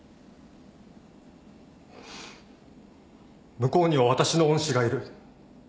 向こうには私の恩師がいる。